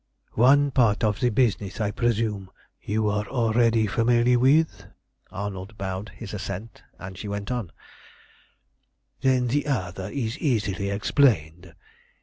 One part of the business, I presume, you are already familiar with?" Arnold bowed his assent, and she went on "Then the other is easily explained.